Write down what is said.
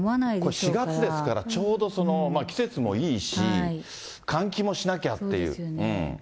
これ４月ですから、ちょうど季節もいいし、換気もしなきゃっていう。